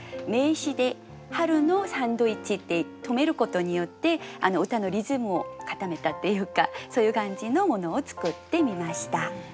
名詞で「春のサンドイッチ」って止めることによって歌のリズムを固めたっていうかそういう感じのものを作ってみました。